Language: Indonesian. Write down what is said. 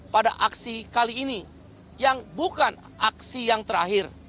pada aksi kali ini yang bukan aksi yang terakhir